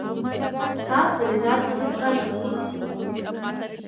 ساعت په دې ساعت کې هیڅ غږ نه کاوه.